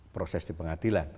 proses di pengadilan